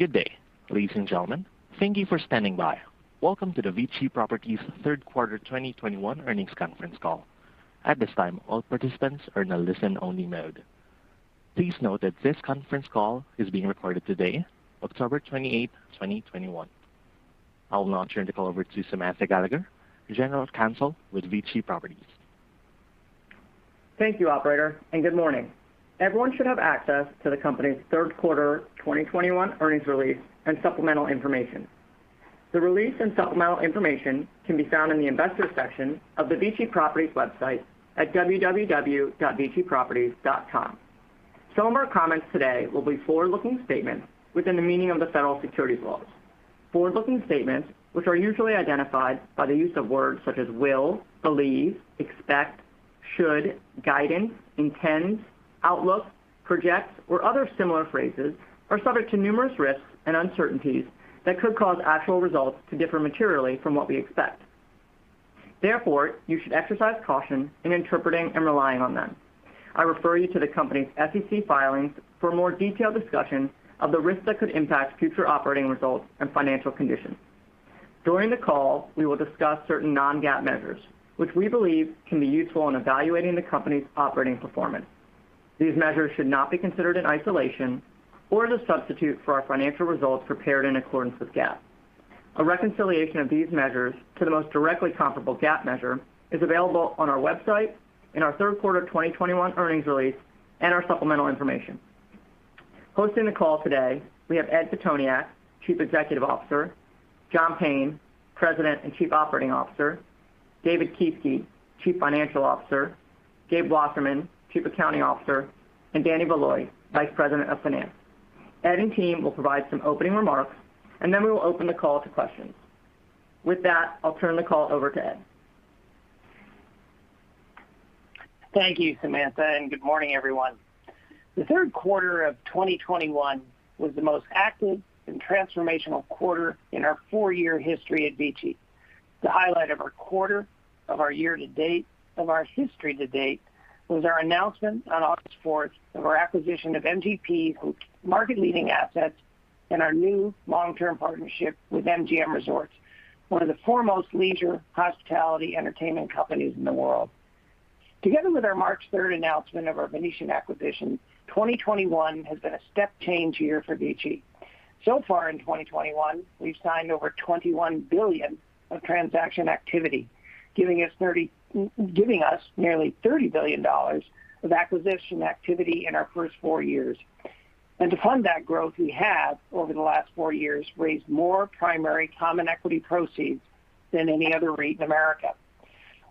Good day, ladies and gentlemen. Thank you for standing by. Welcome to the VICI Properties third quarter 2021 earnings conference call. At this time, all participants are in a listen-only mode. Please note that this conference call is being recorded today, 28th October 2021. I will now turn the call over to Samantha Gallagher, General Counsel with VICI Properties. Thank you, operator, and good morning. Everyone should have access to the company's third quarter 2021 earnings release and supplemental information. The release and supplemental information can be found in the Investors section of the VICI Properties website at www.viciproperties.com. Some of our comments today will be forward-looking statements within the meaning of the federal securities laws. Forward-looking statements, which are usually identified by the use of words such as will, believe, expect, should, guidance, intends, outlook, projects, or other similar phrases, are subject to numerous risks and uncertainties that could cause actual results to differ materially from what we expect. Therefore, you should exercise caution in interpreting and relying on them. I refer you to the company's SEC filings for more detailed discussion of the risks that could impact future operating results and financial conditions. During the call, we will discuss certain non-GAAP measures, which we believe can be useful in evaluating the company's operating performance. These measures should not be considered in isolation or as a substitute for our financial results prepared in accordance with GAAP. A reconciliation of these measures to the most directly comparable GAAP measure is available on our website in our third quarter of 2021 earnings release and our supplemental information. Hosting the call today, we have Ed Pitoniak, Chief Executive Officer, John Payne, President and Chief Operating Officer, David Kieske, Chief Financial Officer, Gabriel Wasserman, Chief Accounting Officer, and Danny Valoy, Vice President of Finance. Ed and team will provide some opening remarks, and then we will open the call to questions. With that, I'll turn the call over to Ed. Thank you, Samantha, and good morning, everyone. The third quarter of 2021 was the most active and transformational quarter in our four year history at VICI. The highlight of our quarter, of our year to date, of our history to date was our announcement on 4th August of our acquisition of MGP market leading assets and our new long-term partnership with MGM Resorts, one of the foremost leisure hospitality entertainment companies in the world. Together with our 3rd March announcement of our Venetian acquisition, 2021 has been a step change year for VICI. So far in 2021, we've signed over $21 billion of transaction activity, giving us nearly $30 billion of acquisition activity in our first four years. To fund that growth, we have, over the last four years, raised more primary common equity proceeds than any other REIT in America.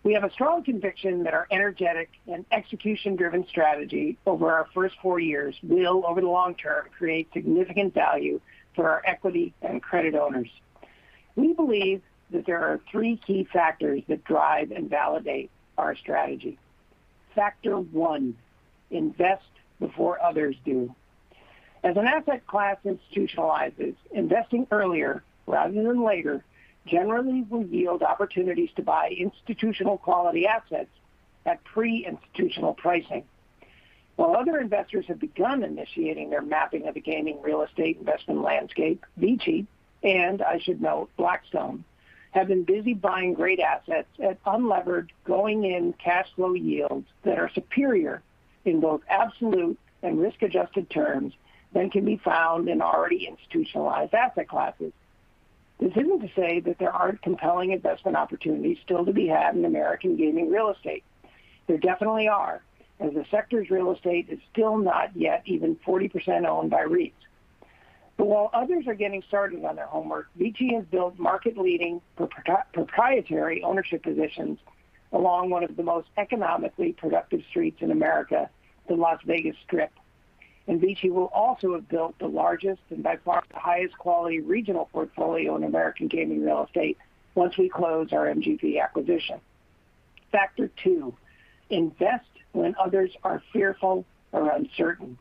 We have a strong conviction that our energetic and execution-driven strategy over our first four years will, over the long term, create significant value for our equity and credit owners. We believe that there are three key factors that drive and validate our strategy. Factor one. Invest before others do. As an asset class institutionalizes, investing earlier rather than later generally will yield opportunities to buy institutional quality assets at pre-institutional pricing. While other investors have begun initiating their mapping of the gaming real estate investment landscape, VICI, and I should note, Blackstone, have been busy buying great assets at unlevered going-in cash flow yields that are superior in both absolute and risk-adjusted terms than can be found in already institutionalized asset classes. This isn't to say that there aren't compelling investment opportunities still to be had in American gaming real estate. There definitely are, as the sector's real estate is still not yet even 40% owned by REITs. While others are getting started on their homework, VICI has built market-leading proprietary ownership positions along one of the most economically productive streets in America, the Las Vegas Strip. VICI will also have built the largest and by far the highest quality regional portfolio in American gaming real estate once we close our MGP acquisition. Factor two: Invest when others are fearful or uncertain.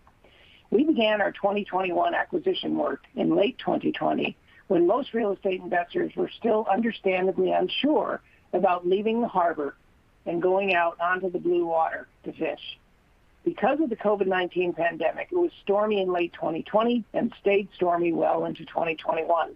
We began our 2021 acquisition work in late 2020 when most real estate investors were still understandably unsure about leaving the harbor and going out onto the blue water to fish because of the COVID-19 pandemic, it was stormy in late 2020 and stayed stormy well into 2021.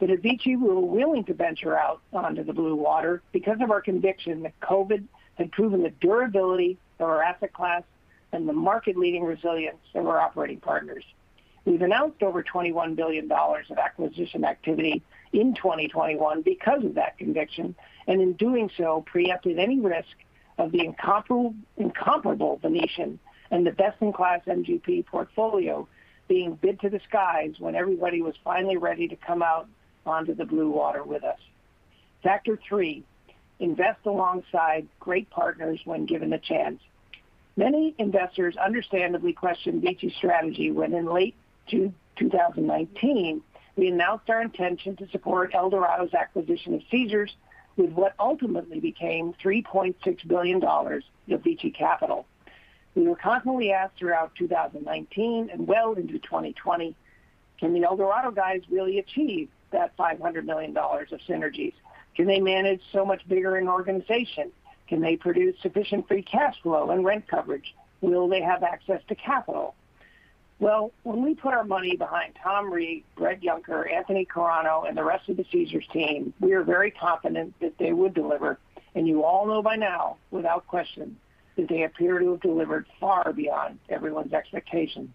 At VICI, we were willing to venture out onto the blue water because of our conviction that COVID had proven the durability of our asset class and the market-leading resilience of our operating partners. We've announced over $21 billion of acquisition activity in 2021 because of that conviction, and in doing so, preempted any risk of the incomparable Venetian and the best-in-class MGP portfolio being bid to the skies when everybody was finally ready to come out onto the blue water with us. Factor three. Invest alongside great partners when given the chance. Many investors understandably questioned VICI's strategy when in late 2019, we announced our intention to support Eldorado's acquisition of Caesars with what ultimately became $3.6 billion of VICI capital. We were constantly asked throughout 2019 and well into 2020, “Can the Eldorado guys really achieve that $500 million of synergies? Can they manage so much bigger an organization? Can they produce sufficient free cash flow and rent coverage? Will they have access to capital?” Well, when we put our money behind Tom Reeg, Bret Yunker, Anthony Carano, and the rest of the Caesars team, we are very confident that they would deliver. You all know by now, without question, that they appear to have delivered far beyond everyone's expectations.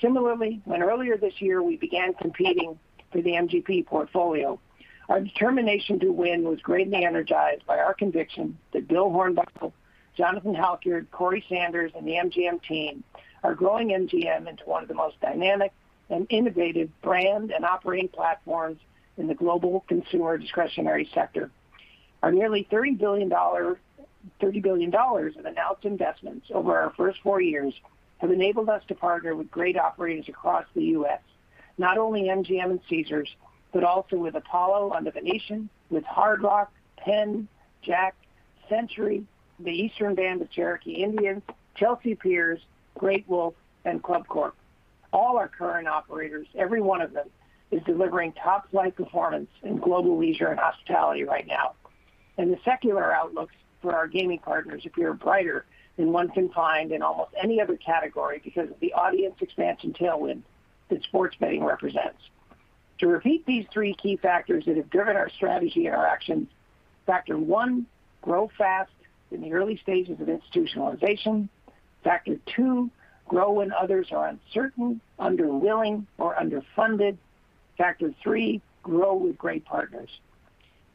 Similarly, when earlier this year we began competing for the MGP portfolio, our determination to win was greatly energized by our conviction that Bill Hornbuckle, Jonathan Halkyard, Corey Sanders, and the MGM team are growing MGM into one of the most dynamic and innovative brand and operating platforms in the global consumer discretionary sector. Our $30 billion of announced investments over our first four years have enabled us to partner with great operators across the U.S., not only MGM and Caesars, but also with Apollo under Venetian, with Hard Rock, Penn, Jack, Century, the Eastern Band of Cherokee Indians, Chelsea Piers, Great Wolf, and Club Corp. All our current operators, every one of them, is delivering top-line performance in global leisure and hospitality right now. The secular outlooks for our gaming partners appear brighter than one can find in almost any other category because of the audience expansion tailwind that sports betting represents. To repeat these three key factors that have driven our strategy and our actions. Factor one, grow fast in the early stages of institutionalization. Factor two, grow when others are uncertain, underwilling, or underfunded. Factor three, grow with great partners.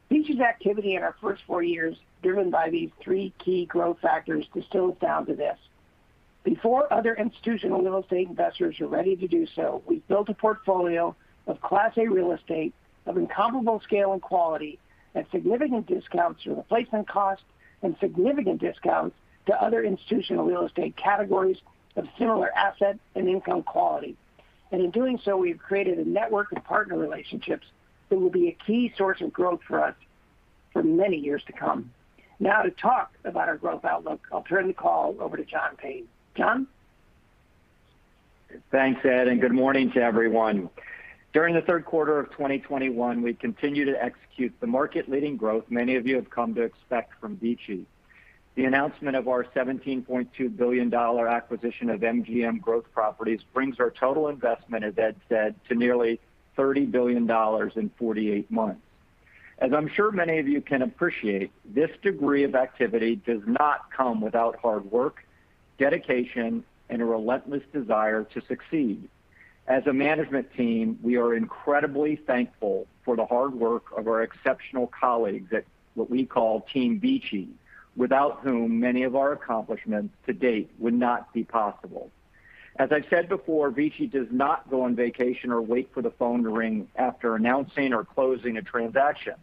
VICI's activity in our first four years, driven by these three key growth factors, distills down to this. Before other institutional real estate investors are ready to do so, we've built a portfolio of class A real estate of incomparable scale and quality at significant discounts to replacement costs and significant discounts to other institutional real estate categories of similar asset and income quality. In doing so, we've created a network of partner relationships that will be a key source of growth for us for many years to come. Now to talk about our growth outlook, I'll turn the call over to John Payne. John? Thanks, Ed, and good morning to everyone. During the third quarter of 2021, we continued to execute the market-leading growth many of you have come to expect from VICI. The announcement of our $17.2 billion acquisition of MGM Growth Properties brings our total investment, as Ed said, to nearly $30 billion in 48 months. As I'm sure many of you can appreciate, this degree of activity does not come without hard work, dedication, and a relentless desire to succeed. As a management team, we are incredibly thankful for the hard work of our exceptional colleagues at what we call Team Vici, without whom many of our accomplishments to date would not be possible. As I said before, VICI does not go on vacation or wait for the phone to ring after announcing or closing a transaction.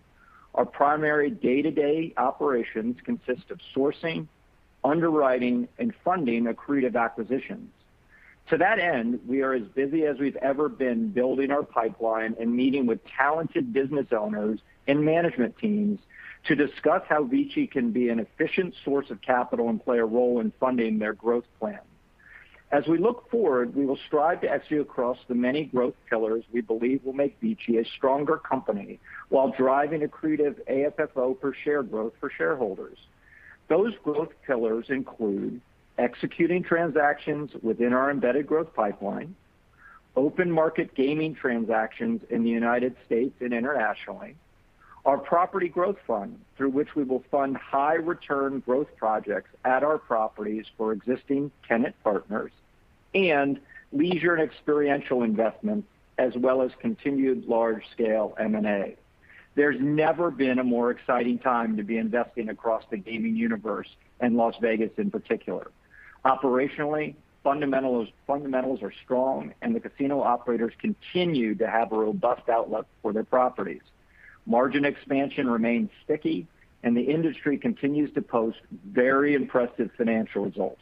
Our primary day-to-day operations consist of sourcing, underwriting, and funding accretive acquisitions. To that end, we are as busy as we've ever been building our pipeline and meeting with talented business owners and management teams to discuss how VICI can be an efficient source of capital and play a role in funding their growth plan. As we look forward, we will strive to execute across the many growth pillars we believe will make VICI a stronger company while driving accretive AFFO per share growth for shareholders. Those growth pillars include executing transactions within our embedded growth pipeline, open market gaming transactions in the United States and internationally, our property growth fund, through which we will fund high return growth projects at our properties for existing tenant partners, and leisure and experiential investments, as well as continued large-scale M&A. There's never been a more exciting time to be investing across the gaming universe and Las Vegas in particular. Operationally, fundamentals are strong and the casino operators continue to have a robust outlook for their properties. Margin expansion remains sticky and the industry continues to post very impressive financial results.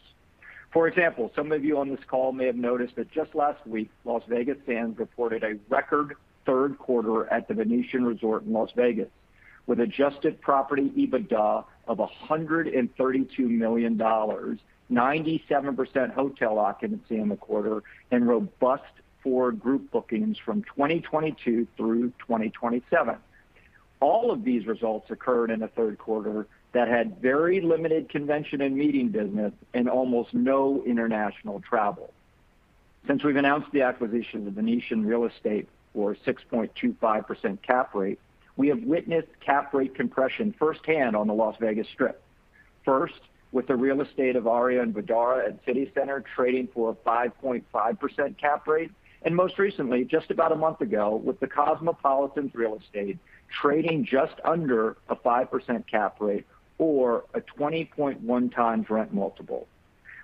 For example, some of you on this call may have noticed that just last week, Las Vegas Sands reported a record third quarter at the Venetian Resort in Las Vegas with adjusted property EBITDA of $132 million, 97% hotel occupancy in the quarter, and robust forward group bookings from 2022 through 2027. All of these results occurred in a third quarter that had very limited convention and meeting business and almost no international travel. Since we've announced the acquisition of Venetian Real Estate for 6.25% cap rate, we have witnessed cap rate compression firsthand on the Las Vegas Strip. First, with the real estate of Aria and Vdara at CityCenter trading for a 5.5% cap rate, and most recently, just about a month ago, with the Cosmopolitan's real estate trading just under a 5% cap rate or a 20.1x rent multiple.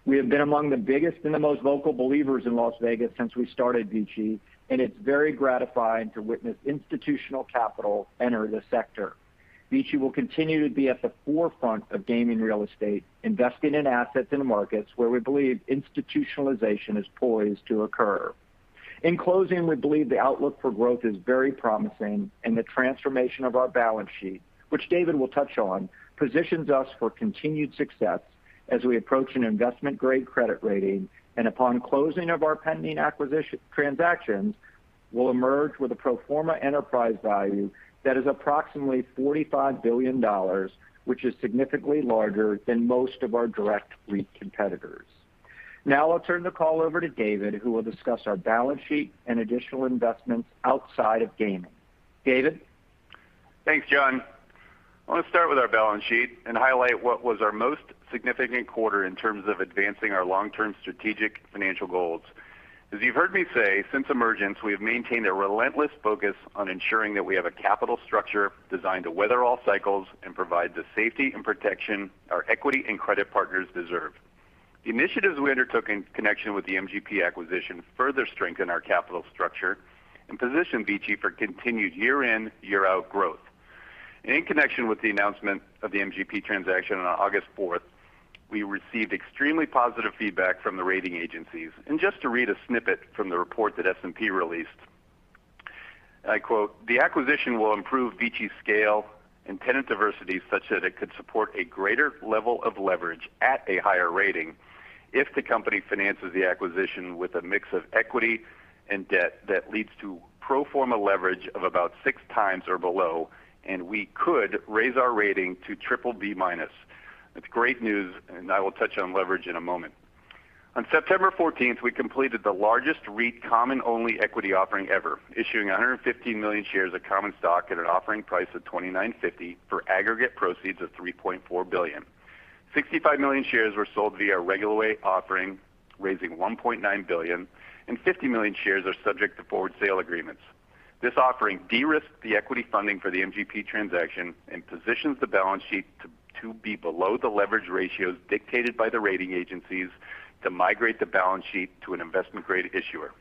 We have been among the biggest and the most vocal believers in Las Vegas since we started VICI, and it's very gratifying to witness institutional capital enter the sector. VICI will continue to be at the forefront of gaming real estate, investing in assets in the markets where we believe institutionalization is poised to occur. In closing, we believe the outlook for growth is very promising and the transformation of our balance sheet, which David will touch on, positions us for continued success as we approach an investment-grade credit rating and upon closing of our pending acquisition transactions. We'll emerge with a pro forma enterprise value that is approximately $45 billion, which is significantly larger than most of our direct REIT competitors. Now I'll turn the call over to David, who will discuss our balance sheet and additional investments outside of gaming. David? Thanks, John. I want to start with our balance sheet and highlight what was our most significant quarter in terms of advancing our long-term strategic financial goals. As you've heard me say, since emergence, we have maintained a relentless focus on ensuring that we have a capital structure designed to weather all cycles and provide the safety and protection our equity and credit partners deserve. The initiatives we undertook in connection with the MGP acquisition further strengthen our capital structure and position VICI for continued year-in, year-out growth. In connection with the announcement of the MGP transaction on August 4th, we received extremely positive feedback from the rating agencies. Just to read a snippet from the report that S&P released, I quote, the acquisition will improve VICI's scale and tenant diversity such that it could support a greater level of leverage at a higher rating if the company finances the acquisition with a mix of equity and debt that leads to pro forma leverage of about six times or below, and we could raise our rating to BBB-. That's great news, and I will touch on leverage in a moment. On 14th September, we completed the largest REIT common-only equity offering ever, issuing 115 million shares of common stock at an offering price of $29.50 for aggregate proceeds of $3.4 billion. 65 million shares were sold via a regular way offering, raising $1.9 billion, and 50 million shares are subject to forward sale agreements. This offering de-risked the equity funding for the MGP transaction and positions the balance sheet to be below the leverage ratios dictated by the rating agencies to migrate the balance sheet to an investment-grade issuer.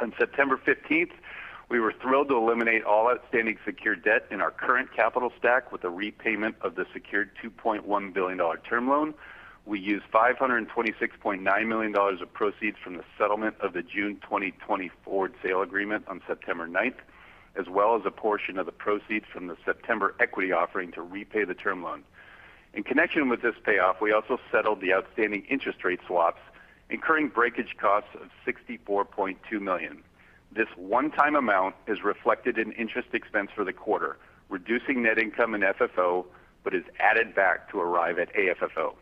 On 15th September, we were thrilled to eliminate all outstanding secured debt in our current capital stack with a repayment of the secured $2.1 billion term loan. We used $526.9 million of proceeds from the settlement of the June 2020 forward sale agreement on September 9th, as well as a portion of the proceeds from the September equity offering to repay the term loan. In connection with this payoff, we also settled the outstanding interest rate swaps, incurring breakage costs of $64.2 million. This one-time amount is reflected in interest expense for the quarter, reducing net income and FFO, but is added back to arrive at AFFO.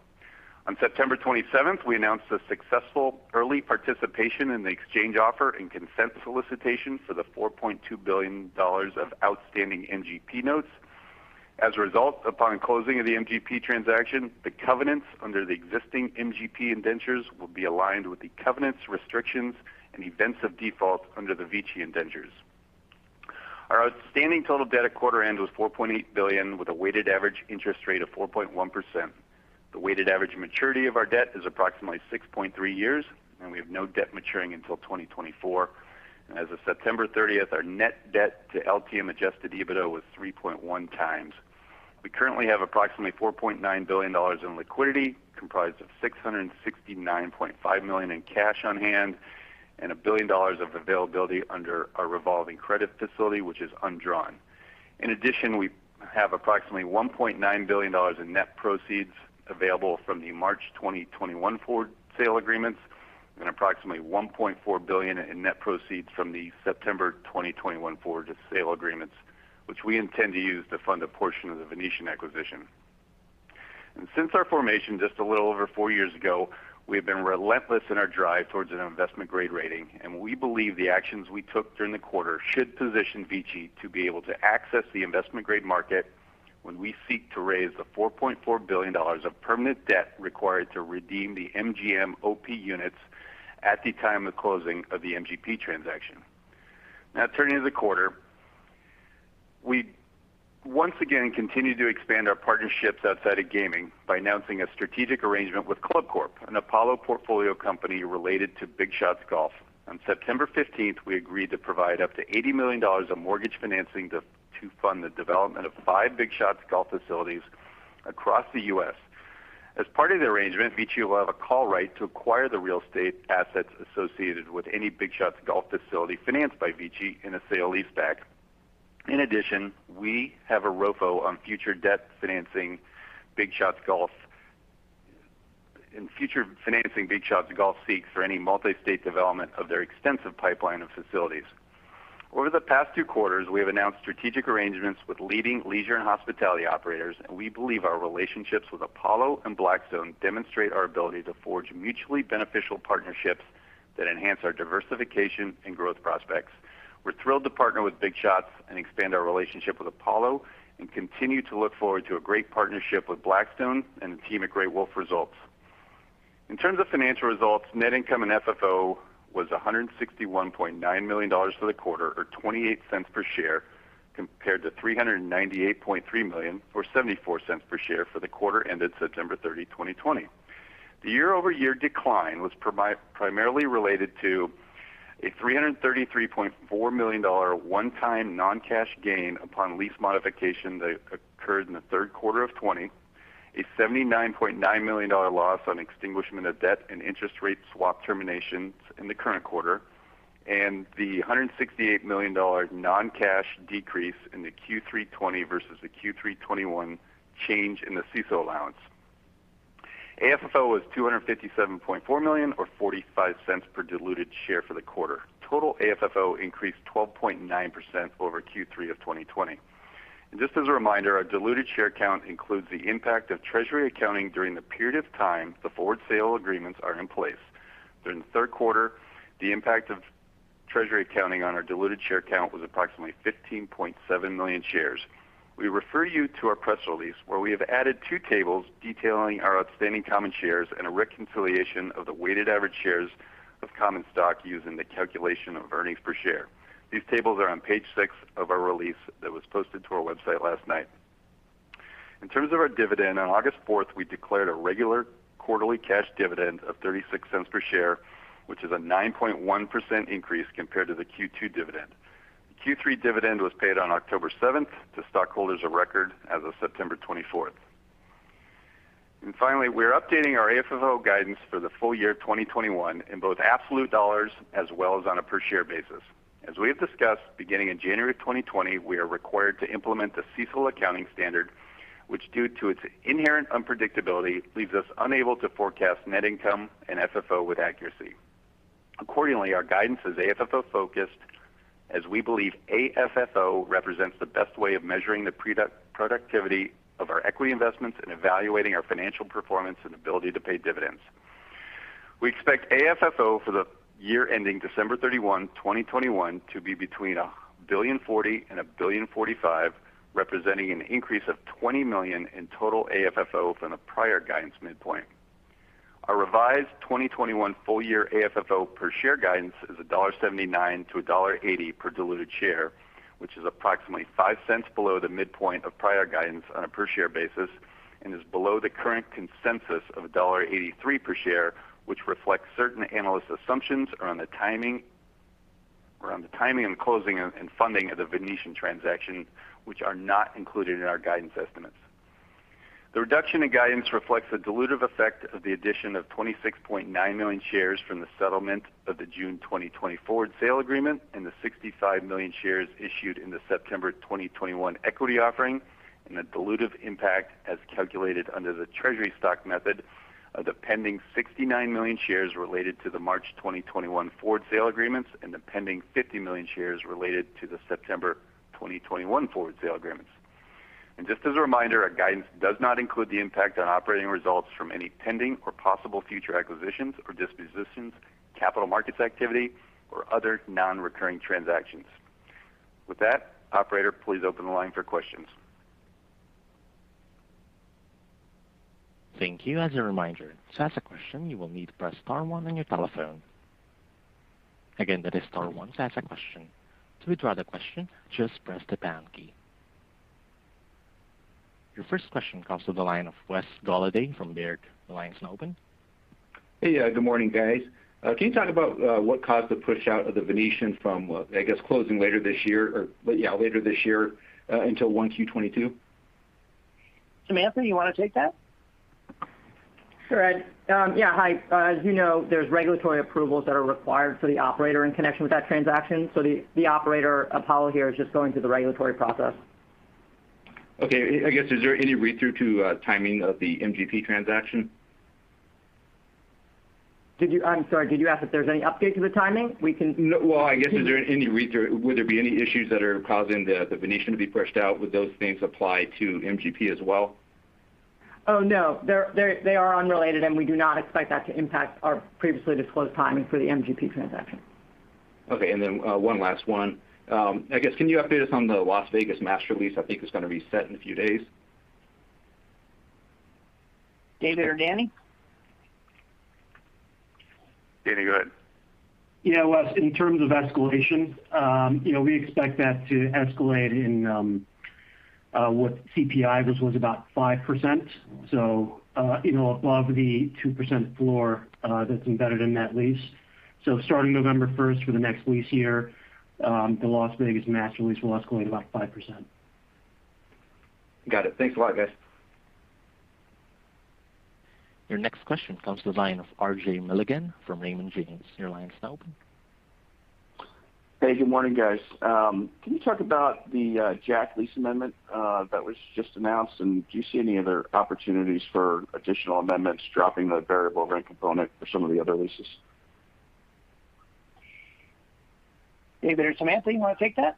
On 27th September, we announced the successful early participation in the exchange offer and consent solicitation for the $4.2 billion of outstanding MGP notes. As a result, upon closing of the MGP transaction, the covenants under the existing MGP indentures will be aligned with the covenants, restrictions, and events of default under the VICI indentures. Our outstanding total debt at quarter end was $4.8 billion with a weighted average interest rate of 4.1%. The weighted average maturity of our debt is approximately 6.3 years, and we have no debt maturing until 2024. As of 30th September, our net debt to LTM adjusted EBITDA was 3.1x. We currently have approximately $4.9 billion in liquidity, comprised of $669.5 million in cash on hand and $1 billion of availability under our revolving credit facility, which is undrawn. In addition, we have approximately $1.9 billion in net proceeds available from the March 2021 forward sale agreements and approximately $1.4 billion in net proceeds from the September 2021 forward sale agreements, which we intend to use to fund a portion of the Venetian acquisition. Since our formation just a little over four years ago, we have been relentless in our drive towards an investment grade rating, and we believe the actions we took during the quarter should position VICI to be able to access the investment grade market when we seek to raise the $4.4 billion of permanent debt required to redeem the MGM OP units at the time of closing of the MGP transaction. Now turning to the quarter, we once again continue to expand our partnerships outside of gaming by announcing a strategic arrangement with ClubCorp, an Apollo portfolio company related to BigShots Golf. On 15th September, we agreed to provide up to $80 million of mortgage financing to fund the development of five BigShots Golf facilities across the U.S. As part of the arrangement, VICI will have a call right to acquire the real estate assets associated with any BigShots Golf facility financed by VICI in a sale leaseback. In addition, we have a ROFO on future debt financing BigShots Golf seeks for any multi-state development of their extensive pipeline of facilities. Over the past two quarters, we have announced strategic arrangements with leading leisure and hospitality operators, and we believe our relationships with Apollo and Blackstone demonstrate our ability to forge mutually beneficial partnerships that enhance our diversification and growth prospects. We're thrilled to partner with BigShots and expand our relationship with Apollo and continue to look forward to a great partnership with Blackstone and the team at Great Wolf Resorts. In terms of financial results, net income and FFO was $161.9 million for the quarter, or $0.28 per share, compared to $398.3 million, or $0.74 per share for the quarter ended 30th September 2020. The year-over-year decline was primarily related to a $333.4 million one-time non-cash gain upon lease modification that occurred in the third quarter of 2020, a $79.9 million loss on extinguishment of debt and interest rate swap terminations in the current quarter, and the $168 million non-cash decrease in the Q320 versus the Q321 change in the CECL allowance. AFFO was $257.4 million or $0.45 per diluted share for the quarter. Total AFFO increased 12.9% over Q3 of 2020. Just as a reminder, our diluted share count includes the impact of treasury accounting during the period of time the forward sale agreements are in place. During the third quarter, the impact of treasury accounting on our diluted share count was approximately 15.7 million shares. We refer you to our press release, where we have added two tables detailing our outstanding common shares and a reconciliation of the weighted average shares of common stock using the calculation of earnings per share. These tables are on page six of our release that was posted to our website last night. In terms of our dividend, on 4th August, we declared a regular quarterly cash dividend of $0.36 per share, which is a 9.1% increase compared to the Q2 dividend. The Q3 dividend was paid on 7th October to stockholders of record as of 24th September. Finally, we are updating our AFFO guidance for the full year 2021 in both absolute dollars as well as on a per share basis. As we have discussed, beginning in January 2020, we are required to implement the CECL accounting standard, which, due to its inherent unpredictability, leaves us unable to forecast net income and FFO with accuracy. Accordingly, our guidance is AFFO focused, as we believe AFFO represents the best way of measuring the productivity of our equity investments and evaluating our financial performance and ability to pay dividends. We expect AFFO for the year ending 31st December 2021 to be between $1.04 billion and $1.045 billion, representing an increase of $20 million in total AFFO from the prior guidance midpoint. Our revised 2021 full year AFFO per share guidance is $1.79-$1.80 per diluted share, which is approximately $0.05 below the midpoint of prior guidance on a per share basis and is below the current consensus of $1.83 per share, which reflects certain analyst assumptions around the timing and closing and funding of The Venetian transaction, which are not included in our guidance estimates. The reduction in guidance reflects the dilutive effect of the addition of 26.9 million shares from the settlement of the June 2020 forward sale agreement and the 65 million shares issued in the September 2021 equity offering and the dilutive impact as calculated under the treasury stock method of the pending 69 million shares related to the March 2021 forward sale agreements and the pending 50 million shares related to the September 2021 forward sale agreements. Just as a reminder, our guidance does not include the impact on operating results from any pending or possible future acquisitions or dispositions, capital markets activity, or other non-recurring transactions. With that, operator, please open the line for questions. Thank you. As a reminder, to ask a question, you will need to press star one on your telephone. Again, that is star one to ask a question. To withdraw the question, just press the pound key. Your first question comes to the line of Wes Golladay from Baird. The line's now open. Hey, good morning, guys. Can you talk about what caused the pushout of The Venetian from, I guess, closing later this year until 1Q 2022? Samantha, you wanna take that? Sure. Yeah. Hi. As you know, there's regulatory approvals that are required for the operator in connection with that transaction. The operator, Apollo here, is just going through the regulatory process. Okay. I guess, is there any read-through to timing of the MGP transaction? I'm sorry. Did you ask if there's any update to the timing? We can- No. Well, I guess, is there any read-through? Would there be any issues that are causing the Venetian to be pushed out? Would those things apply to MGP as well? Oh, no. They are unrelated, and we do not expect that to impact our previously disclosed timing for the MGP transaction. Okay. One last one. I guess, can you update us on the Las Vegas master lease? I think it's gonna be set in a few days. David or Danny? Danny, go ahead. Yeah. Wes, in terms of escalation, you know, we expect that to escalate with CPI, which was about 5%, so, you know, above the 2% floor, that's embedded in that lease. Starting November first for the next lease year, the Las Vegas Master Lease will escalate about 5%. Got it. Thanks a lot, guys. Your next question comes to the line of R.J. Milligan from Raymond James. Your line's now open. Hey. Good morning, guys. Can you talk about the JACK lease amendment that was just announced? Do you see any other opportunities for additional amendments dropping the variable rent component for some of the other leases? David or Samantha, you wanna take that?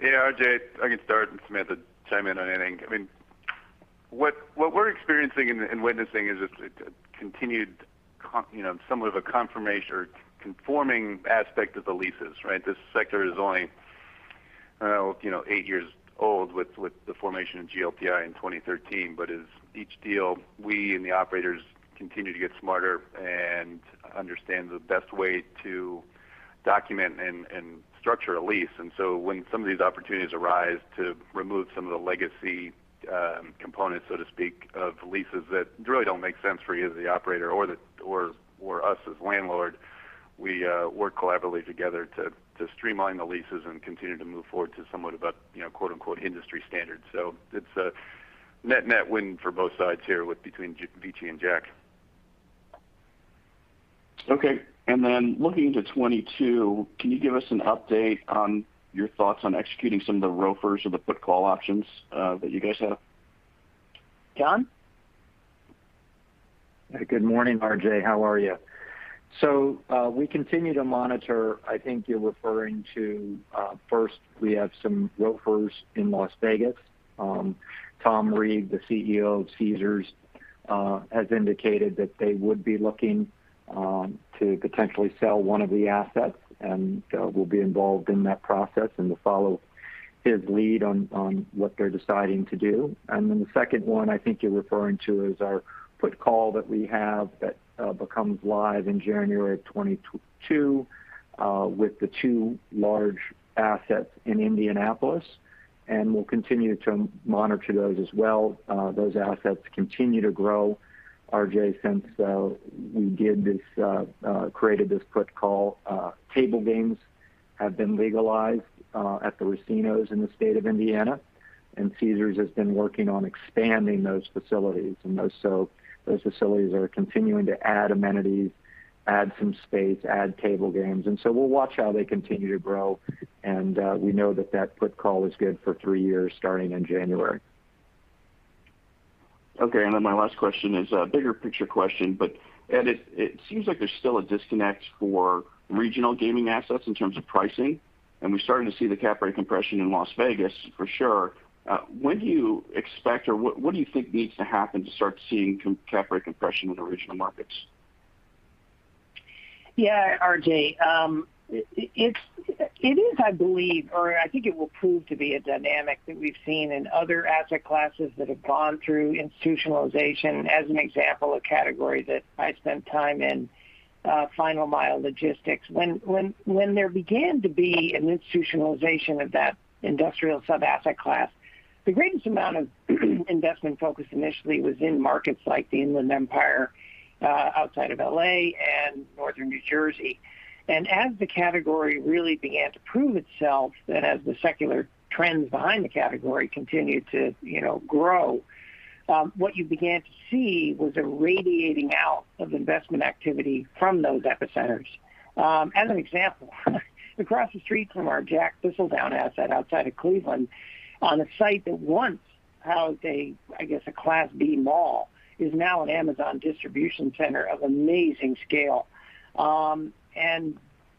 Yeah. RJ, I can start, and Samantha chime in on anything. I mean, what we're experiencing and witnessing is this continued, you know, somewhat of a confirmation or conforming aspect of the leases, right? This sector is only eight years old with the formation of GLPI in 2013. As each deal, we and the operators continue to get smarter and understand the best way to document and structure a lease. When some of these opportunities arise to remove some of the legacy components, so to speak, of leases that really don't make sense for either the operator or us as landlord, we work collaboratively together to streamline the leases and continue to move forward to somewhat about, you know, quote-unquote, industry standards. It's a net-net win for both sides here between VICI and JACK. Okay. Looking into 2022, can you give us an update on your thoughts on executing some of the ROFRs or the put call options that you guys have? John? Good morning, RJ. How are you? We continue to monitor. I think you're referring to first we have some ROFRs in Las Vegas. Tom Reeg, the CEO of Caesars, has indicated that they would be looking to potentially sell one of the assets, and we'll be involved in that process and we'll follow his lead on what they're deciding to do. The second one I think you're referring to is our put call that we have that becomes live in January of 2022 with the two large assets in Indianapolis, and we'll continue to monitor those as well. Those assets continue to grow, RJ, since we did this, created this put call. Table games have been legalized at the racinos in the state of Indiana, and Caesars has been working on expanding those facilities. Those facilities are continuing to add amenities, add some space, add table games. We'll watch how they continue to grow, and we know that put/call is good for three years starting in January. Okay. Then my last question is a bigger picture question. Ed, it seems like there's still a disconnect for regional gaming assets in terms of pricing, and we're starting to see the cap rate compression in Las Vegas for sure. When do you expect or what do you think needs to happen to start seeing cap rate compression with regional markets? Yeah, RJ, it is I believe or I think it will prove to be a dynamic that we've seen in other asset classes that have gone through institutionalization. As an example, a category that I spent time in, final mile logistics. When there began to be an institutionalization of that industrial sub-asset class, the greatest amount of investment focus initially was in markets like the Inland Empire outside of L.A. and Northern New Jersey. As the category really began to prove itself, then as the secular trends behind the category continued to, you know, grow, what you began to see was a radiating out of investment activity from those epicenters. As an example, across the street from our JACK Thistledown asset outside of Cleveland on a site that once housed a, I guess a Class B mall, is now an Amazon distribution center of amazing scale.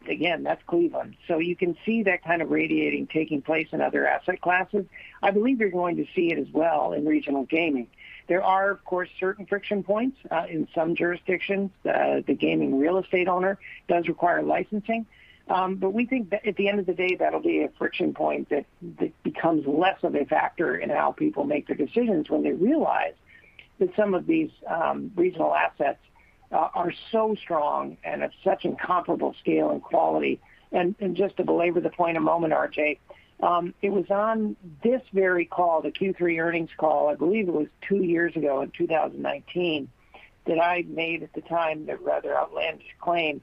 Again, that's Cleveland. You can see that kind of radiating taking place in other asset classes. I believe you're going to see it as well in regional gaming. There are, of course, certain friction points. In some jurisdictions, the gaming real estate owner does require licensing. We think that at the end of the day that'll be a friction point that becomes less of a factor in how people make their decisions when they realize that some of these regional assets are so strong and of such incomparable scale and quality. Just to belabor the point a moment, RJ, it was on this very call, the Q3 earnings call, I believe it was two years ago in 2019, that I made at the time the rather outlandish claim.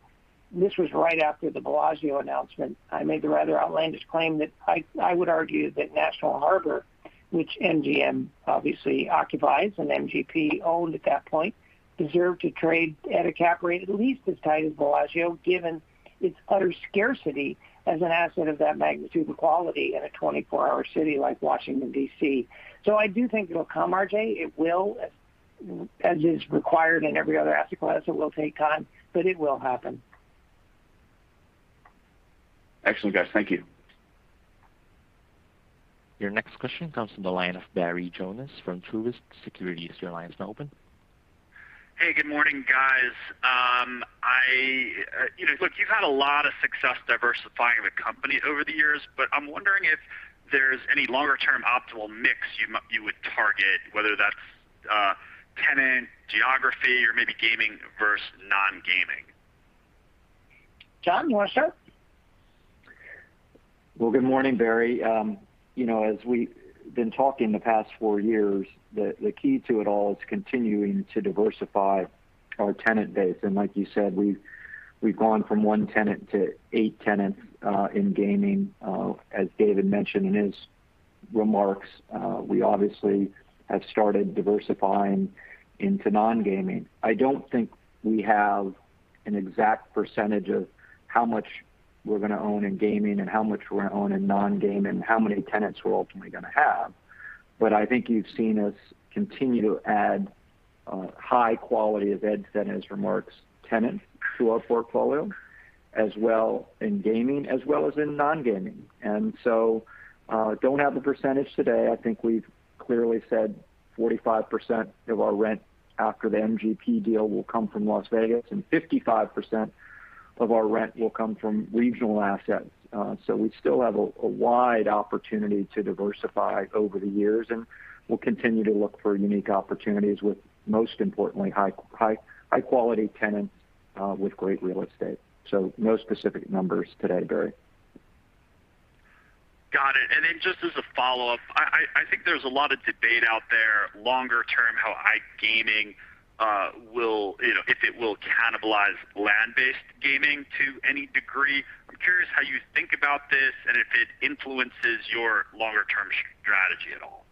This was right after the Bellagio announcement. I made the rather outlandish claim that I would argue that National Harbor, which MGM obviously occupies and MGP owned at that point, deserved to trade at a cap rate at least as tight as Bellagio, given its utter scarcity as an asset of that magnitude and quality in a 24-hour city like Washington, D.C. I do think it'll come, RJ. It will. As is required in every other asset class, it will take time, but it will happen. Excellent, guys. Thank you. Your next question comes from the line of Barry Jonas from Truist Securities. Your line is now open. Hey, good morning, guys. You know, look, you've had a lot of success diversifying the company over the years, but I'm wondering if there's any longer term optimal mix you would target, whether that's tenant geography or maybe gaming versus non-gaming? John, you wanna start? Good morning, Barry. You know, as we've been talking the past four years, the key to it all is continuing to diversify our tenant base. Like you said, we've gone from one tenant to eight tenants in gaming. As David mentioned in his remarks, we obviously have started diversifying into non-gaming. I don't think we have an exact percentage of how much we're gonna own in gaming and how much we're gonna own in non-gaming, how many tenants we're ultimately gonna have. I think you've seen us continue to add high quality, as Ed said in his remarks, tenants to our portfolio, as well in gaming, as well as in non-gaming. Don't have a percentage today. I think we've clearly said 45% of our rent after the MGP deal will come from Las Vegas, and 55% of our rent will come from regional assets. We still have a wide opportunity to diversify over the years, and we'll continue to look for unique opportunities with, most importantly, high quality tenants, with great real estate. No specific numbers today, Barry. Got it. Just as a follow-up, I think there's a lot of debate out there longer term how iGaming will, you know, if it will cannibalize land-based gaming to any degree. I'm curious how you think about this and if it influences your longer term strategy at all.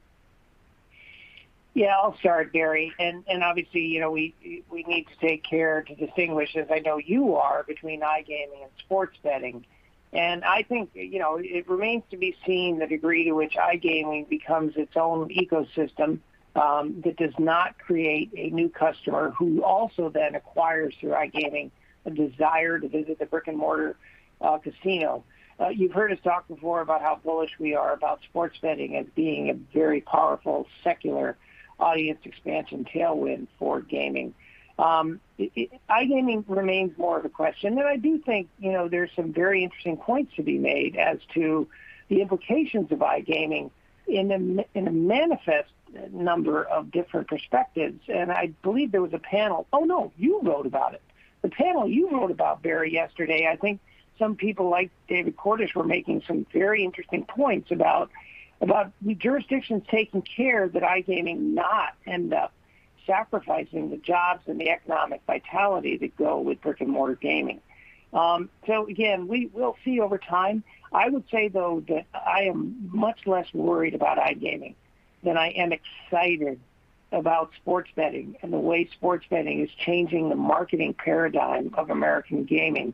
Yeah, I'll start, Barry. Obviously, you know, we need to take care to distinguish, as I know you are, between iGaming and sports betting. I think, you know, it remains to be seen the degree to which iGaming becomes its own ecosystem that does not create a new customer who also then acquires through iGaming a desire to visit the brick-and-mortar casino. You've heard us talk before about how bullish we are about sports betting as being a very powerful secular audience expansion tailwind for gaming. iGaming remains more of a question, though I do think, you know, there's some very interesting points to be made as to the implications of iGaming in a number of different perspectives. I believe you wrote about it. The panel you wrote about, Barry, yesterday, I think some people like David Cordish were making some very interesting points about the jurisdictions taking care that iGaming not end up sacrificing the jobs and the economic vitality that go with brick-and-mortar gaming. Again, we'll see over time. I would say, though, that I am much less worried about iGaming than I am excited about sports betting and the way sports betting is changing the marketing paradigm of American gaming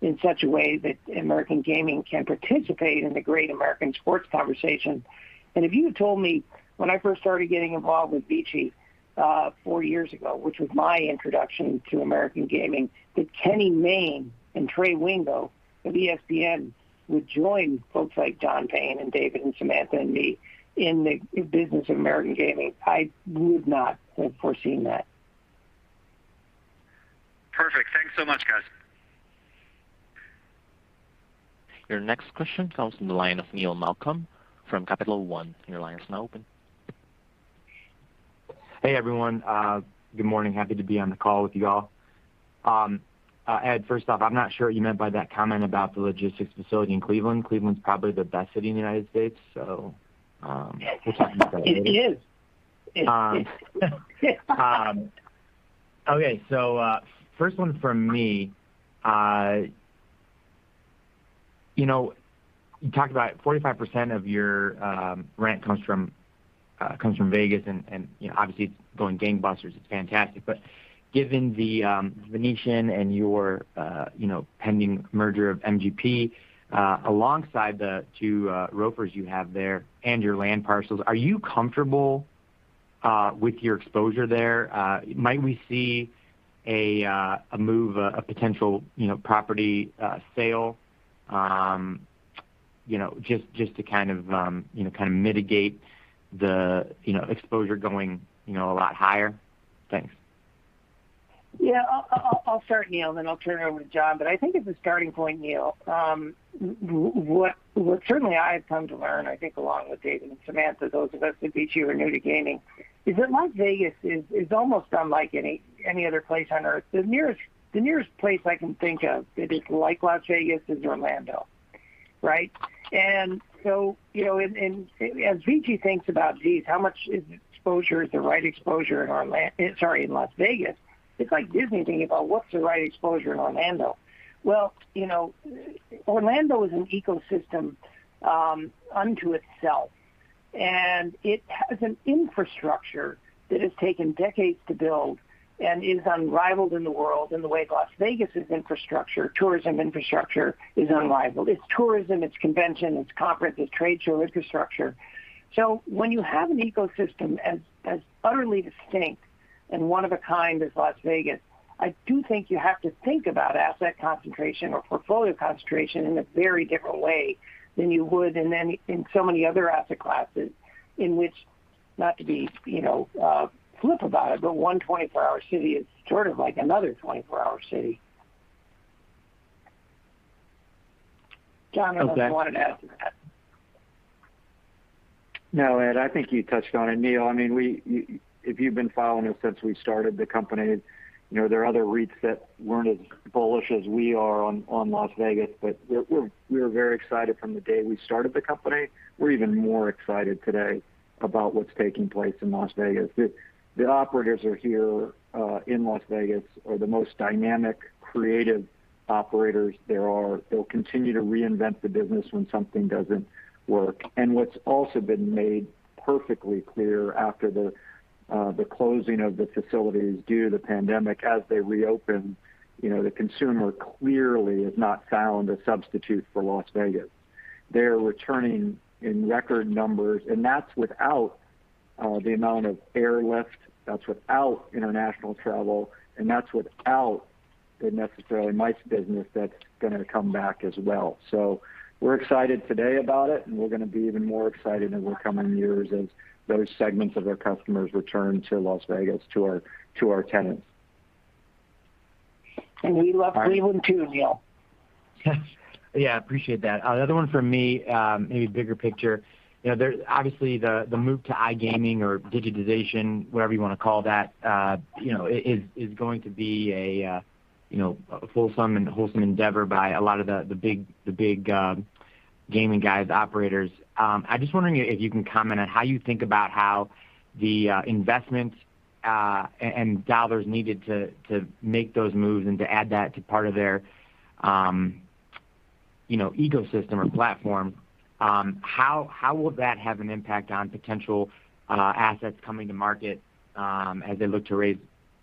in such a way that American gaming can participate in the great American sports conversation. If you had told me when I first started getting involved with Vici four years ago, which was my introduction to American gaming, that Kenny Mayne and Trey Wingo of ESPN would join folks like John Payne and David and Samantha and me in business American gaming, I would not have foreseen that. Perfect. Thanks so much, guys. Your next question comes from the line of Neil Malkin from Capital One. Your line is now open. Hey, everyone. Good morning. Happy to be on the call with you all. Ed, first off, I'm not sure what you meant by that comment about the logistics facility in Cleveland. Cleveland's probably the best city in the United States, so, It is. First one from me, you know, you talked about 45% of your rent comes from Vegas and, you know, obviously it's going gangbusters. It's fantastic. Given the Venetian and your, you know, pending merger of MGP, alongside the two ROFRs you have there and your land parcels, are you comfortable with your exposure there? Might we see a move, a potential property sale, you know, just to kind of mitigate the exposure going a lot higher? Thanks. I'll start, Neil, then I'll turn it over to John. I think as a starting point, Neil, what certainly I've come to learn, I think along with David and Samantha, those of us at Vici who are new to gaming, is that Las Vegas is almost unlike any other place on Earth. The nearest place I can think of that is like Las Vegas is Orlando, right? You know, as Vici thinks about, geez, how much exposure is the right exposure in Las Vegas, it's like Disney thinking about what's the right exposure in Orlando. Well, you know, Orlando is an ecosystem unto itself, and it has an infrastructure that has taken decades to build and is unrivaled in the world in the way Las Vegas' infrastructure, tourism infrastructure is unrivaled. It's tourism, it's convention, it's conference, it's trade show infrastructure. When you have an ecosystem as utterly distinct and one-of-a-kind as Las Vegas, I do think you have to think about asset concentration or portfolio concentration in a very different way than you would in so many other asset classes in which, not to be, you know, flip about it, but one 24-hour city is sort of like another 24-hour city. John, unless you wanted to add to that. No, Ed, I think you touched on it. Neil, I mean, if you've been following us since we started the company, you know there are other REITs that weren't as bullish as we are on Las Vegas. We were very excited from the day we started the company. We're even more excited today about what's taking place in Las Vegas. The operators who are here in Las Vegas are the most dynamic, creative operators there are. They'll continue to reinvent the business when something doesn't work. What's also been made perfectly clear after the closing of the facilities due to the pandemic, as they reopen, you know, the consumer clearly has not found a substitute for Las Vegas. They are returning in record numbers, and that's without the amount of airlift, that's without international travel, and that's without the necessary MICE business that's gonna come back as well. We're excited today about it, and we're gonna be even more excited in the coming years as those segments of their customers return to Las Vegas to our tenants. We love Cleveland too, Neil. Yeah, appreciate that. The other one from me, maybe bigger picture. You know, obviously, the move to iGaming or digitization, whatever you wanna call that, you know, is going to be a fulsome and wholesome endeavor by a lot of the big gaming guys, operators. I'm just wondering if you can comment on how you think about how the investments and dollars needed to make those moves and to add that to part of their, You know, ecosystem or platform, how will that have an impact on potential assets coming to market, as they look to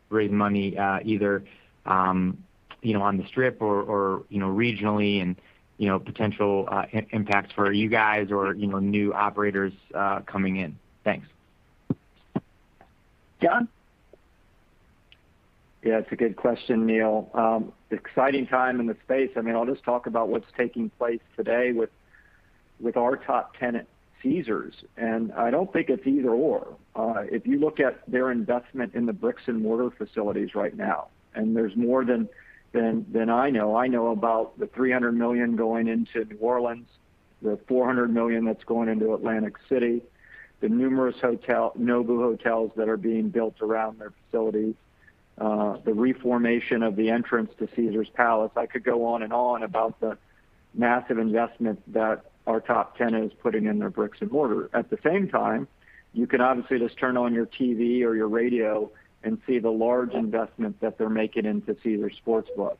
raise money, either, you know, on the strip or, you know, regionally and, you know, potential impact for you guys or, you know, new operators coming in? Thanks. John? Yeah, it's a good question, Neil. Exciting time in the space. I mean, I'll just talk about what's taking place today with our top tenant, Caesars. I don't think it's either/or. If you look at their investment in the bricks and mortar facilities right now, and there's more than I know about the $300 million going into New Orleans, the $400 million that's going into Atlantic City, the numerous Nobu hotels that are being built around their facilities, the reformation of the entrance to Caesars Palace. I could go on and on about the massive investments that our top tenant is putting in their bricks and mortar. At the same time, you can obviously just turn on your TV or your radio and see the large investments that they're making into Caesars Sportsbook.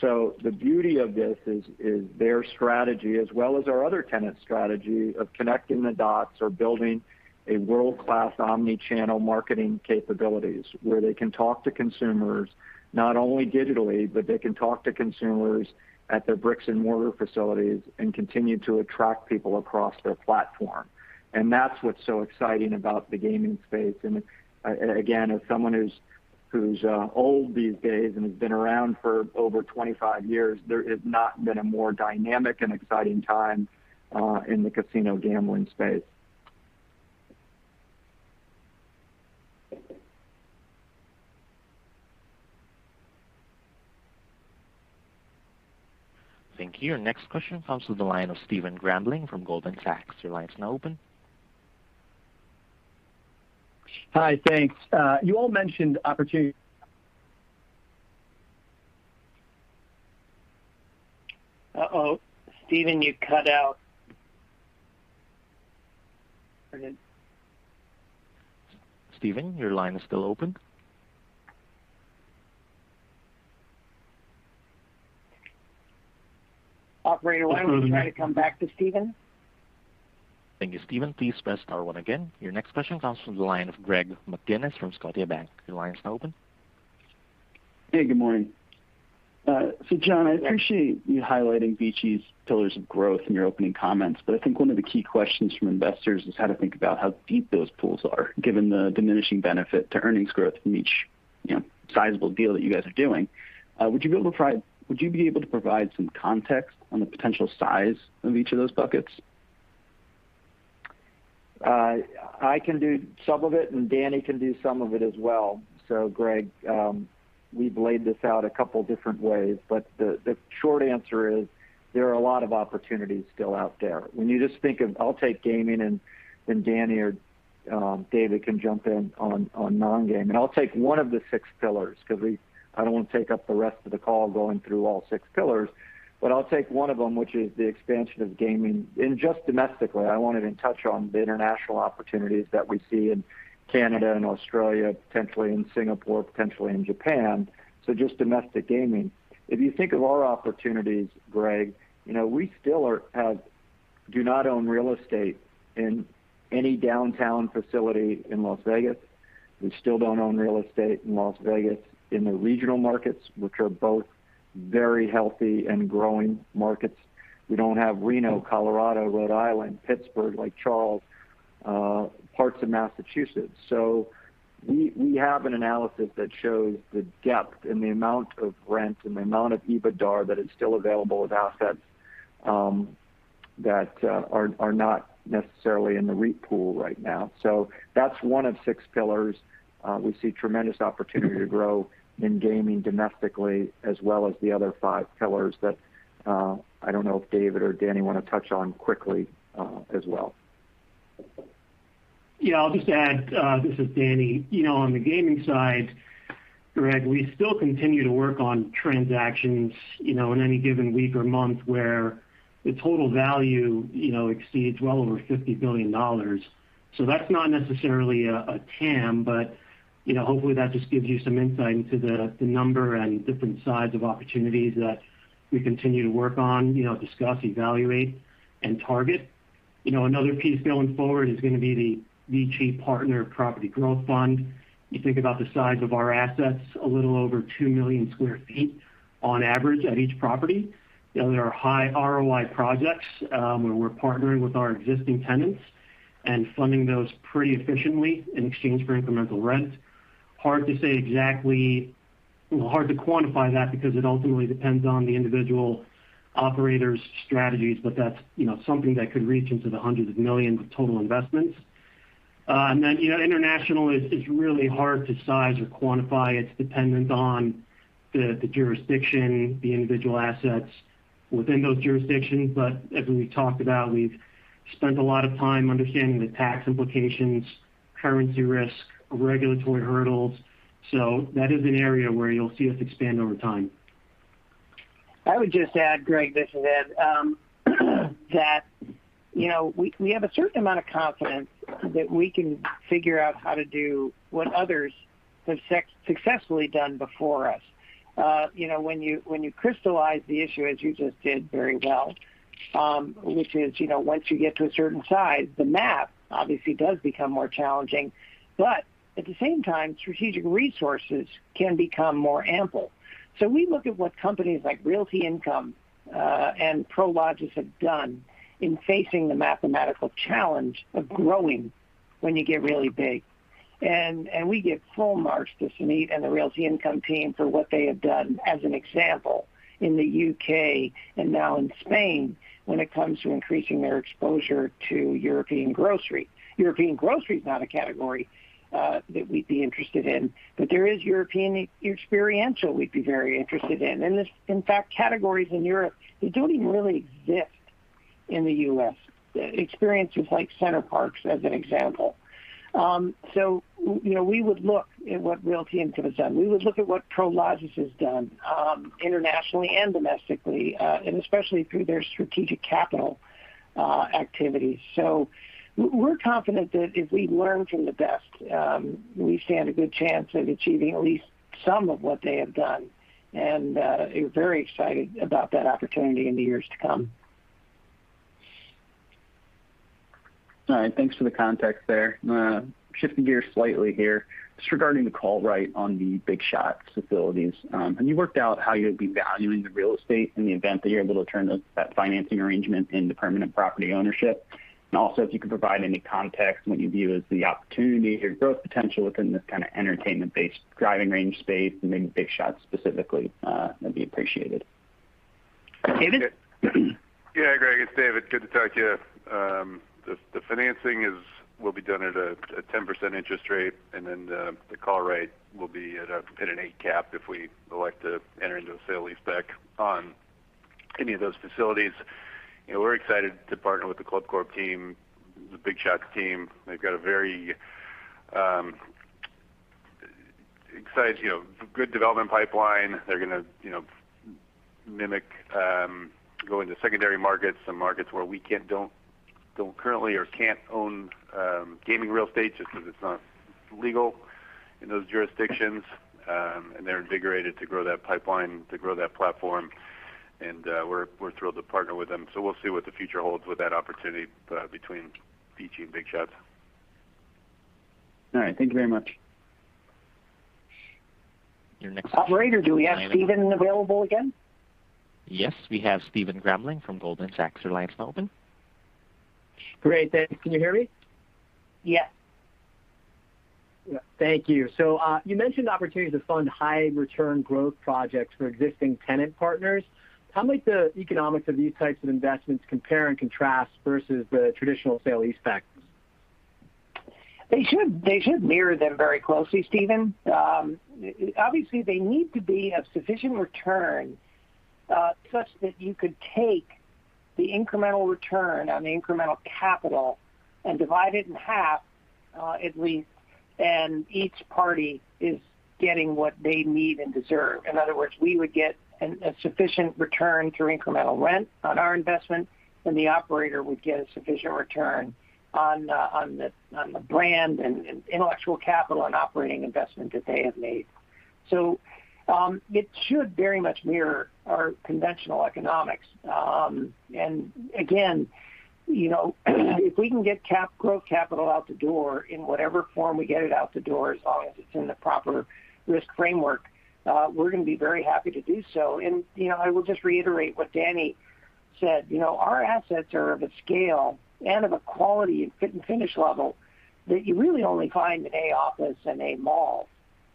The beauty of this is their strategy as well as our other tenants' strategy of connecting the dots or building a world-class omni-channel marketing capabilities where they can talk to consumers, not only digitally, but they can talk to consumers at their bricks-and-mortar facilities and continue to attract people across their platform. That's what's so exciting about the gaming space. Again, as someone who's old these days and has been around for over 25 years, there has not been a more dynamic and exciting time in the casino gambling space. Thank you. Next question comes to the line of Stephen Grambling from Goldman Sachs. Your line is now open. Hi. Thanks. You all mentioned. Stephen, you cut out. I did. Stephen, your line is still open. Operator, why don't you try to come back to Stephen? Thank you, Stephen. Please press star one again. Your next question comes from the line of Greg McGinniss from Scotiabank. Your line is now open. Hey, good morning. John, I appreciate you highlighting VICI's pillars of growth in your opening comments, but I think one of the key questions from investors is how to think about how deep those pools are, given the diminishing benefit to earnings growth from each, you know, sizable deal that you guys are doing. Would you be able to provide some context on the potential size of each of those buckets? I can do some of it, and Danny can do some of it as well. Greg, we've laid this out a couple different ways, but the short answer is there are a lot of opportunities still out there. When you just think of, I'll take gaming and Danny or David can jump in on non-gaming. I'll take one of the six pillars because I don't want to take up the rest of the call going through all six pillars, but I'll take one of them, which is the expansion of gaming. Just domestically, I wanted to touch on the international opportunities that we see in Canada and Australia, potentially in Singapore, potentially in Japan. Just domestic gaming. If you think of our opportunities, Greg, you know, we still do not own real estate in any downtown facility in Las Vegas. We still don't own real estate in Las Vegas in the regional markets, which are both very healthy and growing markets. We don't have Reno, Colorado, Rhode Island, Pittsburgh, Lake Charles, parts of Massachusetts. So we have an analysis that shows the depth and the amount of rent and the amount of EBITDA that is still available with assets that are not necessarily in the REIT pool right now. So that's one of six pillars. We see tremendous opportunity to grow in gaming domestically as well as the other five pillars that I don't know if David or Danny wanna touch on quickly, as well. Yeah. I'll just add, this is Danny. You know, on the gaming side, Greg, we still continue to work on transactions, you know, in any given week or month where the total value, you know, exceeds well over $50 billion. So that's not necessarily a TAM, but, you know, hopefully, that just gives you some insight into the number and different sides of opportunities that we continue to work on, you know, discuss, evaluate, and target. You know, another piece going forward is gonna be the VICI Partner Property Growth Fund. You think about the size of our assets, a little over 2 million sq ft on average at each property. You know, there are high ROI projects, where we're partnering with our existing tenants and funding those pretty efficiently in exchange for incremental rent. Hard to quantify that because it ultimately depends on the individual operators' strategies, but that's, you know, something that could reach into the hundreds of millions of total investments. You know, international is really hard to size or quantify. It's dependent on the jurisdiction, the individual assets within those jurisdictions. As we talked about, we've spent a lot of time understanding the tax implications, currency risk, regulatory hurdles. That is an area where you'll see us expand over time. I would just add, Greg, this is Ed. That, you know, we have a certain amount of confidence that we can figure out how to do what others have successfully done before us. You know, when you crystallize the issue as you just did very well, which is, you know, once you get to a certain size, the math obviously does become more challenging. At the same time, strategic resources can become more ample. We look at what companies like Realty Income and Prologis have done in facing the mathematical challenge of growing when you get really big. We give full marks to Suneet and the Realty Income team for what they have done as an example in the U.K. and now in Spain when it comes to increasing their exposure to European grocery. European grocery is not a category that we'd be interested in, but there is European experiential we'd be very interested in. In fact, categories in Europe they don't even really exist in the U.S., experiences like Center Parcs, as an example. You know, we would look at what Realty Income has done. We would look at what Prologis has done internationally and domestically, and especially through their strategic capital activities. We're confident that if we learn from the best, we stand a good chance of achieving at least some of what they have done, and we're very excited about that opportunity in the years to come. All right. Thanks for the context there. Shifting gears slightly here. Just regarding the call right on the BigShots facilities. Can you work out how you'll be valuing the real estate in the event that you're able to turn that financing arrangement into permanent property ownership? Also if you could provide any context on what you view as the opportunity or growth potential within this kind of entertainment-based driving range space and maybe BigShots specifically, that'd be appreciated. David? Yeah, Greg, it's David. Good to talk to you. The financing will be done at a 10% interest rate, and then the call rate will be at an 8% cap if we elect to enter into a sale leaseback on any of those facilities. You know, we're excited to partner with the ClubCorp team, the BigShots team. They've got a very exciting, you know, good development pipeline. They're gonna, you know, mimic, go into secondary markets, some markets where we don't currently or can't own gaming real estate just because it's not legal in those jurisdictions. They're invigorated to grow that pipeline, to grow that platform. We're thrilled to partner with them. We'll see what the future holds with that opportunity between VICI and BigShots. All right. Thank you very much. Your next- Operator, do we have Stephen available again? Yes, we have Stephen Grambling from Goldman Sachs. Great, thanks. Can you hear me? Yes. Thank you. You mentioned the opportunity to fund high return growth projects for existing tenant partners. How might the economics of these types of investments compare and contrast versus the traditional sale leasebacks? They should mirror them very closely, Stephen. Obviously, they need to be of sufficient return such that you could take the incremental return on the incremental capital and divide it in half, at least, and each party is getting what they need and deserve. In other words, we would get a sufficient return through incremental rent on our investment, and the operator would get a sufficient return on the brand and intellectual capital and operating investment that they have made. It should very much mirror our conventional economics. Again, you know, if we can get capital growth capital out the door in whatever form we get it out the door, as long as it's in the proper risk framework, we're gonna be very happy to do so. You know, I will just reiterate what Danny said. You know, our assets are of a scale and of a quality fit and finish level that you really only find in A office and A mall.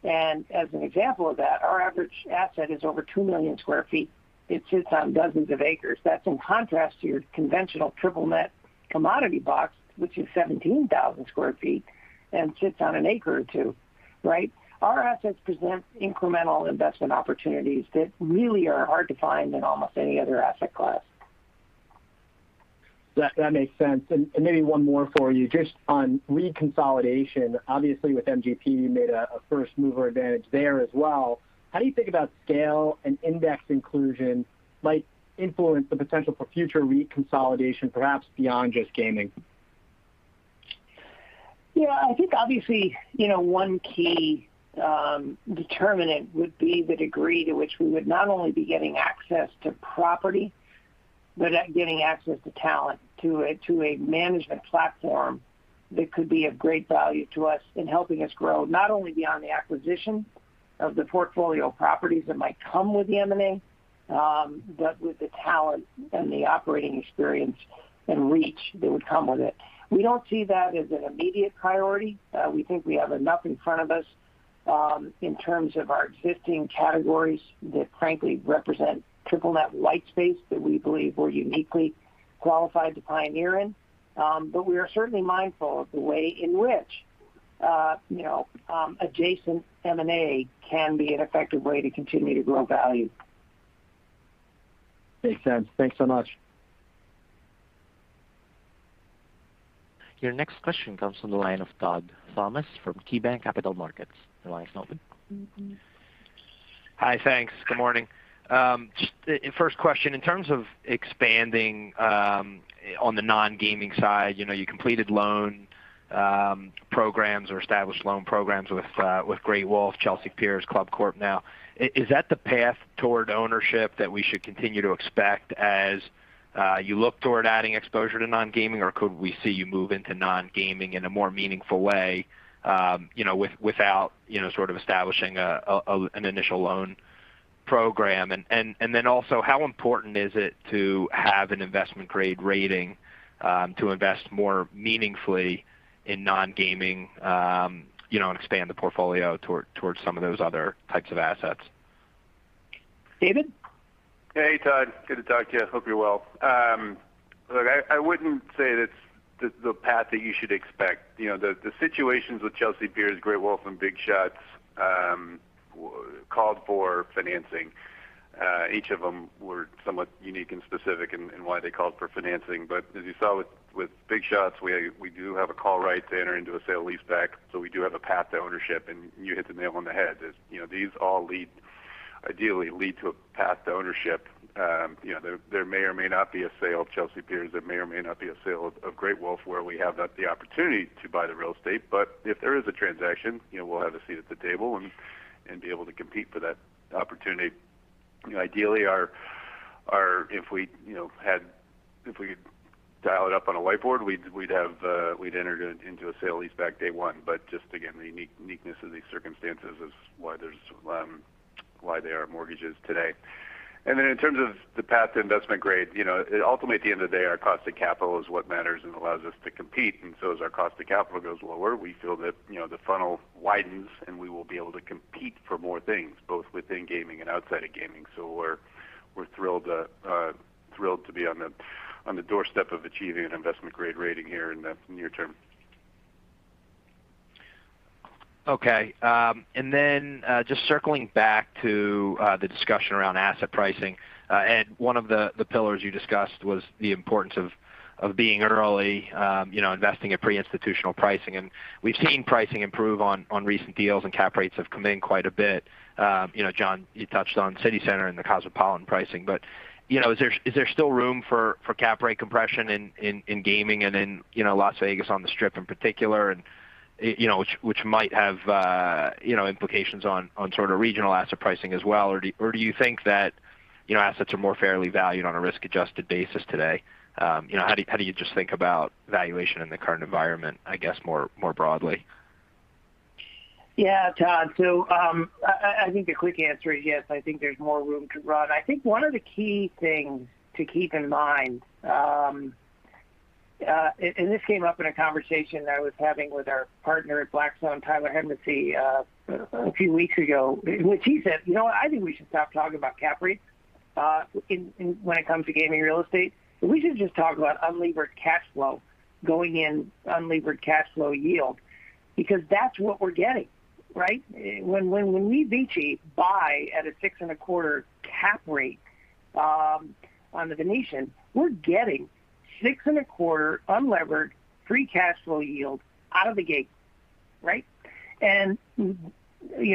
As an example of that, our average asset is over 2 million sq ft. It sits on dozens of acres. That's in contrast to your conventional triple net commodity box, which is 17,000 sq ft and sits on one acre or two, right? Our assets present incremental investment opportunities that really are hard to find in almost any other asset class. That makes sense. Maybe one more for you. Just on reconsolidation, obviously with MGP, you made a first mover advantage there as well. How do you think about scale and index inclusion might influence the potential for future reconsolidation, perhaps beyond just gaming? Yeah, I think obviously, you know, one key determinant would be the degree to which we would not only be getting access to property, but getting access to talent, to a management platform that could be of great value to us in helping us grow, not only beyond the acquisition of the portfolio properties that might come with the M&A, but with the talent and the operating experience and reach that would come with it. We don't see that as an immediate priority. We think we have enough in front of us, in terms of our existing categories that frankly represent triple net white space that we believe we're uniquely qualified to pioneer in. But we are certainly mindful of the way in which, you know, adjacent M&A can be an effective way to continue to grow value. Makes sense. Thanks so much. Your next question comes from the line of Todd Thomas from KeyBanc Capital Markets. Your line is now open. Hi. Thanks. Good morning. Just first question, in terms of expanding on the nongaming side, you know, you completed loan programs or established loan programs with Great Wolf, Chelsea Piers, ClubCorp now. Is that the path toward ownership that we should continue to expect as you look toward adding exposure to nongaming, or could we see you move into nongaming in a more meaningful way, you know, without, you know, sort of establishing an initial loan program? Then, how important is it to have an investment-grade rating to invest more meaningfully in nongaming, you know, and expand the portfolio towards some of those other types of assets? David? Hey, Todd. Good to talk to you. Hope you're well. Look, I wouldn't say that's the path that you should expect. You know, the situations with Chelsea Piers, Great Wolf, and Big Shots called for financing. Each of them were somewhat unique and specific in why they called for financing. As you saw with Big Shots, we do have a call right to enter into a sale-leaseback, so we do have a path to ownership. You hit the nail on the head. You know, these all ideally lead to a path to ownership. You know, there may or may not be a sale of Chelsea Piers. There may or may not be a sale of Great Wolf, where we have the opportunity to buy the real estate. If there is a transaction, you know, we'll have a seat at the table and be able to compete for that opportunity. Ideally, if we could dial it up on a whiteboard, we would have entered into a sale-leaseback day one. Just again, the uniqueness of these circumstances is why there are mortgages today. Then in terms of the path to investment grade, you know, ultimately at the end of the day, our cost of capital is what matters and allows us to compete. As our cost of capital goes lower, we feel that, you know, the funnel widens, and we will be able to compete for more things, both within gaming and outside of gaming. We're thrilled to be on the doorstep of achieving an investment-grade rating here in the near term. Okay. Just circling back to the discussion around asset pricing, and one of the pillars you discussed was the importance of being early, you know, investing at pre-institutional pricing. We've seen pricing improve on recent deals and cap rates have come in quite a bit. You know, John, you touched on CityCenter and the Cosmopolitan pricing. You know, is there still room for cap rate compression in gaming and in, you know, Las Vegas on the Strip in particular and, you know, which might have implications on sort of regional asset pricing as well? Do you think that, you know, assets are more fairly valued on a risk-adjusted basis today? You know, how do you just think about valuation in the current environment, I guess, more broadly? Yeah. Todd, so, I think the quick answer is yes. I think there's more room to run. I think one of the key things to keep in mind, and this came up in a conversation I was having with our partner at Blackstone, Tyler Henritze, a few weeks ago, which he said, "You know what? I think we should stop talking about cap rate when it comes to gaming real estate. We should just talk about unlevered cash flow going in, unlevered cash flow yield," because that's what we're getting, right? When we, VICI, buy at a 6.25 cap rate on the Venetian, we're getting 6.25 unlevered free cash flow yield out of the gate, right? You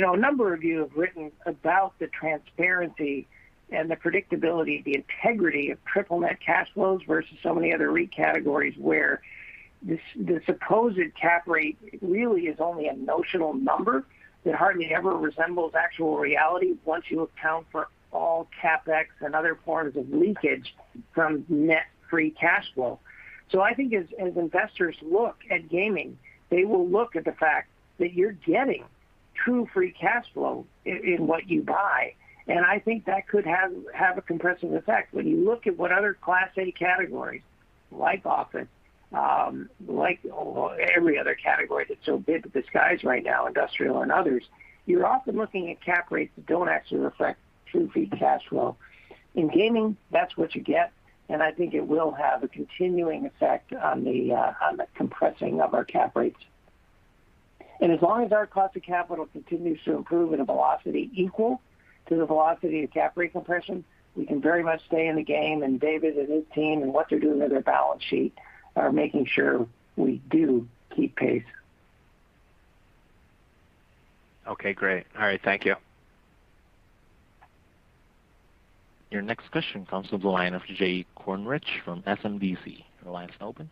know, a number of you have written about the transparency and the predictability, the integrity of triple net cash flows versus so many other REIT categories, where the supposed cap rate really is only a notional number that hardly ever resembles actual reality once you account for all CapEx and other forms of leakage from net free cash flow. I think as investors look at gaming, they will look at the fact that you're getting true free cash flow in what you buy, and I think that could have a compressive effect. When you look at what other Class A categories like office, like every other category that's so big that the sky's the limit right now, industrial and others, you're often looking at cap rates that don't actually reflect true free cash flow. In gaming, that's what you get, and I think it will have a continuing effect on the on the compressing of our cap rates. As long as our cost of capital continues to improve at a velocity equal to the velocity of cap rate compression, we can very much stay in the game. David and his team and what they're doing with their balance sheet are making sure we do keep pace. Okay, great. All right. Thank you. Your next question comes from the line of Jay Kornreich from SMBC. Your line is now open.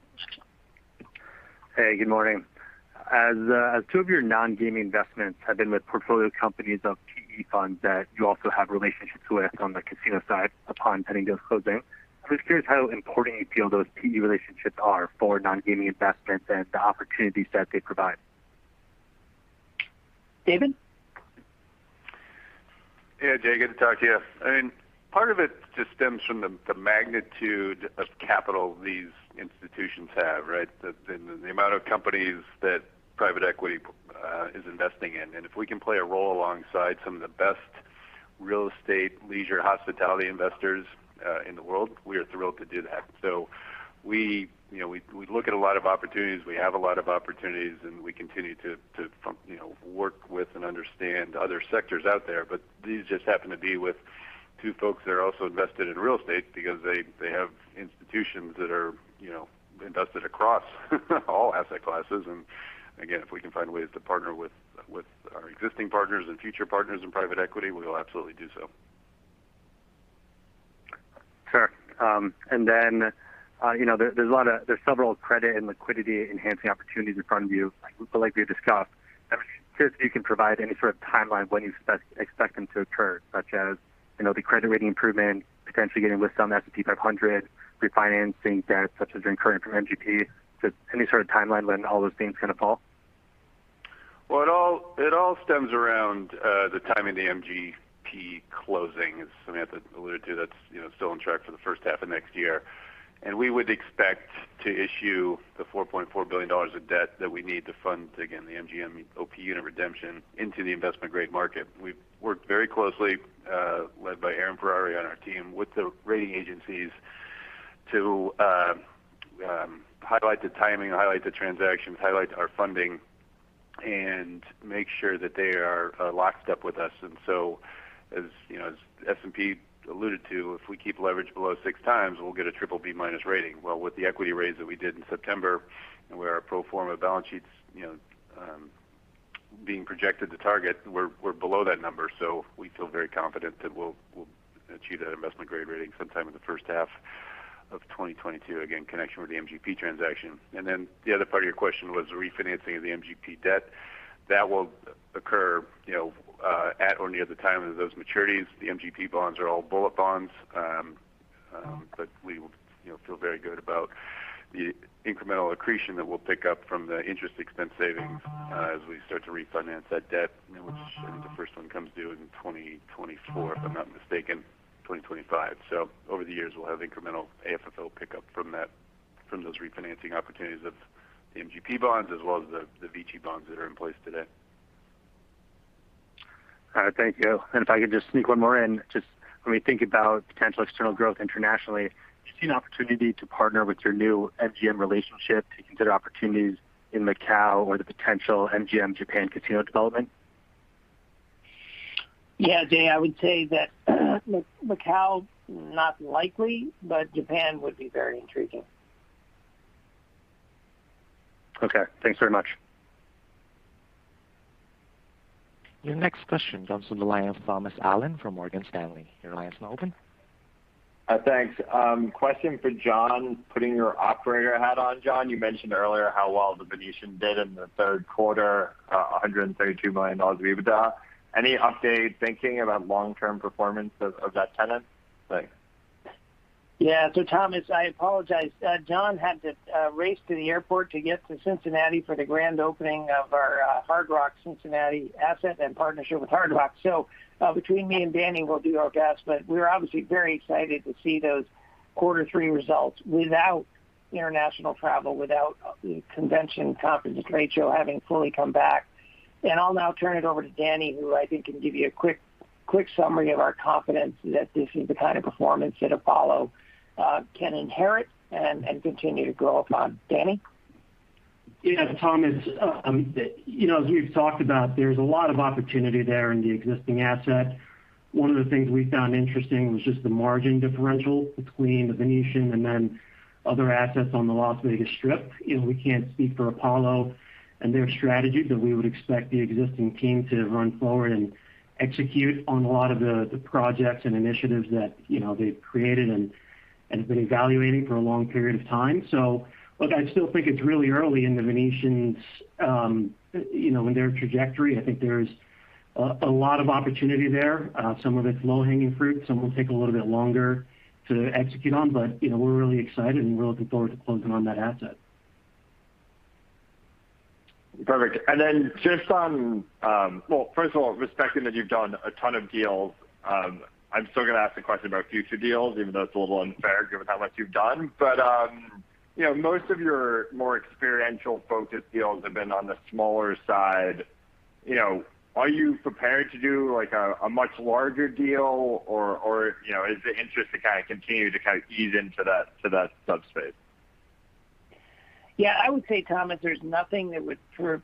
Hey, good morning. As two of your nongaming investments have been with portfolio companies of PE funds that you also have relationships with on the casino side upon pending those closings, I'm just curious how important you feel those PE relationships are for nongaming investments and the opportunities that they provide. David? Yeah. Jay, good to talk to you. I mean, part of it just stems from the magnitude of capital these institutions have, right? The amount of companies that private equity is investing in. If we can play a role alongside some of the best real estate leisure hospitality investors in the world, we are thrilled to do that. We look at a lot of opportunities. We have a lot of opportunities, and we continue to work with and understand other sectors out there. These just happen to be with two folks that are also invested in real estate because they have institutions that are invested across all asset classes. Again, if we can find ways to partner with our existing partners and future partners in private equity, we will absolutely do so. Sure. You know, there's a lot of. There's several credit and liquidity enhancing opportunities in front of you, like we've discussed. I mean, just if you can provide any sort of timeline of when you expect them to occur, such as, you know, the credit rating improvement, potentially getting listed on S&P 500, refinancing debt such as your current from MGP. Just any sort of timeline when all those things gonna fall? Well, it all stems around the timing of the MGP closing, as Samantha alluded to. That's, you know, still on track for the first half of next year. We would expect to issue the $4.4 billion of debt that we need to fund, again, the MGM OP unit redemption into the investment grade market. We've worked very closely, led by Erin Ferreri on our team, with the rating agencies to highlight the timing, highlight the transactions, highlight our funding, and make sure that they are locked up with us. As you know, as S&P alluded to, if we keep leverage below 6x, we'll get a BBB- rating. Well, with the equity raise that we did in September and where our pro forma balance sheets, you know, being projected to target, we're below that number. We feel very confident that we'll achieve that investment grade rating sometime in the first half of 2022. Again, in connection with the MGP transaction. Then the other part of your question was refinancing of the MGP debt. That will occur, you know, at or near the time of those maturities. The MGP bonds are all bullet bonds. We will, you know, feel very good about the incremental accretion that we'll pick up from the interest expense savings, as we start to refinance that debt, you know, which I think the first one comes due in 2024, if I'm not mistaken, 2025. Over the years, we'll have incremental AFFO pickup from those refinancing opportunities of the MGP bonds as well as the VICI bonds that are in place today. All right. Thank you. If I could just sneak one more in. Just when we think about potential external growth internationally, do you see an opportunity to partner with your new MGM relationship to consider opportunities in Macau or the potential MGM Japan casino development? Yeah. Jay, I would say that Macau, not likely, but Japan would be very intriguing. Okay. Thanks very much. Your next question comes from the line of Thomas Allen from Morgan Stanley. Your line is now open. Thanks. Question for John. Putting your operator hat on, John, you mentioned earlier how well The Venetian did in the third quarter, $132 million of EBITDA. Any update thinking about long-term performance of that tenant? Thanks. Yeah. Thomas, I apologize. John had to race to the airport to get to Cincinnati for the grand opening of our Hard Rock Casino Cincinnati asset and partnership with Hard Rock. Between me and Danny, we'll do our best. We're obviously very excited to see those quarter three results without international travel, without the convention conference ratio having fully come back. I'll now turn it over to Danny, who I think can give you a quick summary of our confidence that this is the kind of performance that Apollo can inherit and continue to grow upon. Danny. Yeah. Thomas, you know, as we've talked about, there's a lot of opportunity there in the existing asset. One of the things we found interesting was just the margin differential between The Venetian and then other assets on the Las Vegas Strip. You know, we can't speak for Apollo and their strategy, but we would expect the existing team to run forward and execute on a lot of the projects and initiatives that, you know, they've created and have been evaluating for a long period of time. Look, I still think it's really early in. The Venetian's, you know, in their trajectory. I think there's a lot of opportunity there. Some of it's low-hanging fruit, some will take a little bit longer to execute on. You know, we're really excited and we look forward to closing on that asset. Perfect. Just on, well, first of all, respecting that you've done a ton of deals, I'm still gonna ask a question about future deals, even though it's a little unfair given how much you've done. You know, most of your more experiential focused deals have been on the smaller side. You know, are you prepared to do, like a much larger deal or, you know, is the interest to kind of continue to ease into that subspace? Yeah. I would say, Thomas, there's nothing that would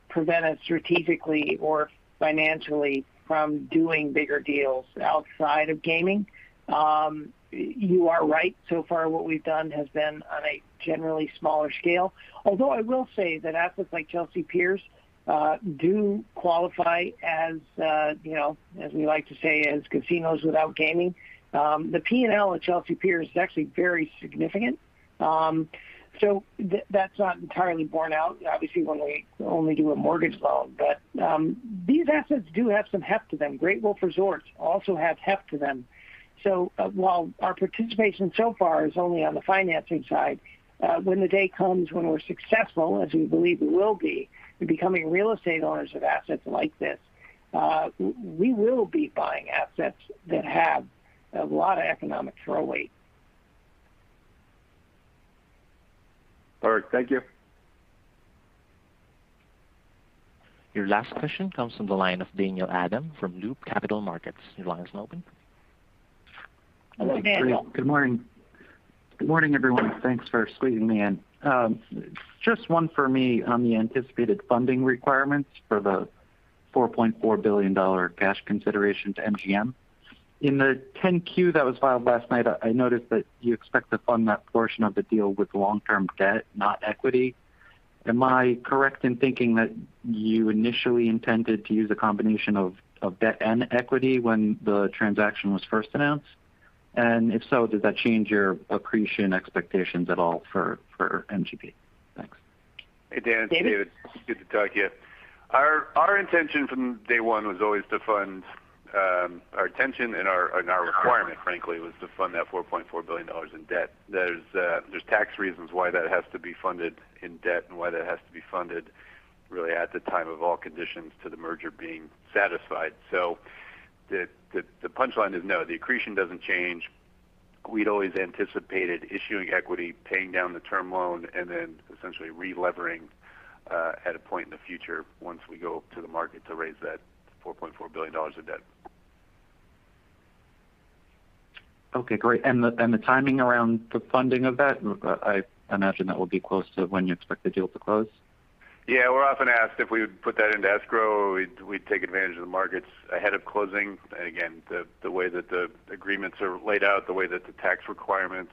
prevent us strategically or financially from doing bigger deals outside of gaming. You are right. So far what we've done has been on a generally smaller scale. Although I will say that assets like Chelsea Piers do qualify as, you know, as we like to say, as casinos without gaming. The P&L at Chelsea Piers is actually very significant. That's not entirely borne out obviously when we only do a mortgage loan. These assets do have some heft to them. Great Wolf Resorts also have heft to them. While our participation so far is only on the financing side, when the day comes when we're successful, as we believe we will be, in becoming real estate owners of assets like this, we will be buying assets that have a lot of economic throw weight. All right. Thank you. Your last question comes from the line of Daniel Adam from Loop Capital Markets. Your line is now open. Hello, Daniel. Good morning. Good morning, everyone. Thanks for squeezing me in. Just one for me on the anticipated funding requirements for the $4.4 billion cash consideration to MGM. In the 10-Q that was filed last night, I noticed that you expect to fund that portion of the deal with long-term debt, not equity. Am I correct in thinking that you initially intended to use a combination of debt and equity when the transaction was first announced? If so, does that change your accretion expectations at all for MGP? Thanks. Hey, Dan, it's David. Good to talk to you. Our intention and our requirement, frankly, was to fund that $4.4 billion in debt. There's tax reasons why that has to be funded in debt and why that has to be funded really at the time of all conditions to the merger being satisfied. So the punchline is no, the accretion doesn't change. We'd always anticipated issuing equity, paying down the term loan, and then essentially relevering at a point in the future once we go to the market to raise that $4.4 billion of debt. Okay, great. The timing around the funding of that, I imagine that will be close to when you expect the deal to close. Yeah. We're often asked if we would put that into escrow. We'd take advantage of the markets ahead of closing. Again, the way that the agreements are laid out, the way that the tax requirements,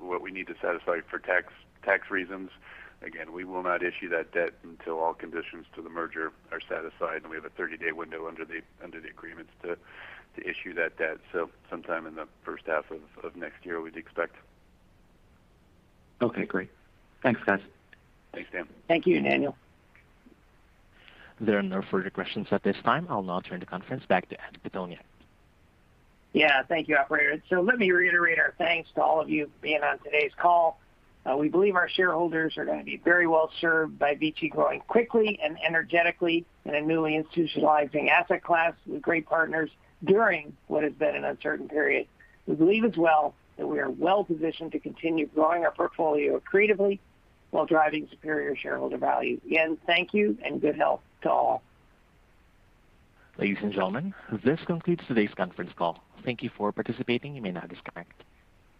what we need to satisfy for tax reasons, we will not issue that debt until all conditions to the merger are satisfied, and we have a 30-day window under the agreements to issue that debt. Sometime in the first half of next year, we'd expect. Okay, great. Thanks, guys. Thanks, Dan. Thank you, Daniel. There are no further questions at this time. I'll now turn the conference back to Ed Pitoniak. Yeah. Thank you, operator. Let me reiterate our thanks to all of you being on today's call. We believe our shareholders are gonna be very well served by VICI growing quickly and energetically in a newly institutionalizing asset class with great partners during what has been an uncertain period. We believe as well that we are well positioned to continue growing our portfolio creatively while driving superior shareholder value. Again, thank you, and good health to all. Ladies and gentlemen, this concludes today's conference call. Thank you for participating. You may now disconnect.